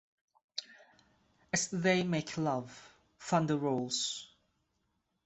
As they make love, thunder rolls.